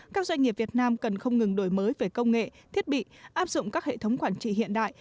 các doanh nghiệp việt nam cần không ngừng đổi mới về công nghệ thiết bị áp dụng các hệ thống quản trị hiện đại